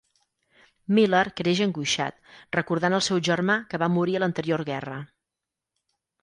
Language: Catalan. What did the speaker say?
Miller creix angoixat, recordant el seu germà que va morir a l'anterior guerra.